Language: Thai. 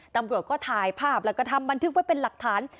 ตำรวจก็ถ่ายภาพแล้วก็ทำบันทึกไว้เป็นหลักฐาน